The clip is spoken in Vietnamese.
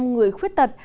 bốn mươi người khuyết tật